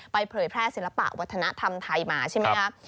เผยแพร่ศิลปะวัฒนธรรมไทยมาใช่ไหมครับ